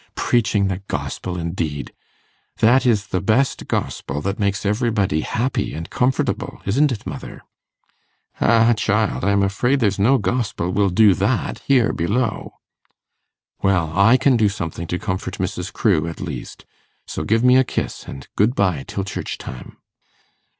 Preaching the Gospel indeed! That is the best Gospel that makes everybody happy and comfortable, isn't it, mother?' 'Ah, child, I'm afraid there's no Gospel will do that here below.' 'Well, I can do something to comfort Mrs. Crewe, at least; so give me a kiss, and good bye till church time.